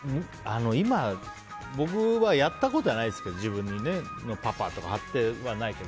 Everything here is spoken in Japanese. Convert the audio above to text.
僕はやったことないですけどパパとか書いてはないけど。